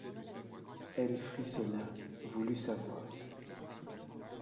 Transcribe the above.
Elle frissonna, voulut savoir.